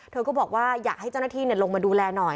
เธอก็บอกว่าอยากให้เจ้าหน้าที่ลงมาดูแลหน่อย